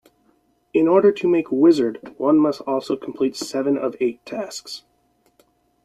In order to make Wizard, one must also complete seven of eight tasks.